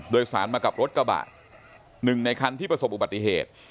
โดยสารมากับรถกระบะ๑ในคันที่ประสบอุบัติเหตุ